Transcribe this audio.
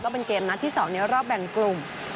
ก็เป็นเกมนะที่สองเนี่ยรอบแบ่งกลุ่ม